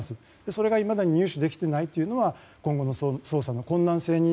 それがいまだに入手できていないのは今後の捜査の困難性に